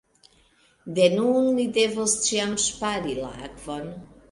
De nun, ni devos ĉiam ŝpari la akvon.